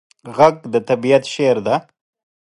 غږ د طبیعت شعر دی